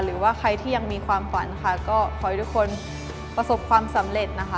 หรือว่าใครที่ยังมีความฝันค่ะก็ขอให้ทุกคนประสบความสำเร็จนะคะ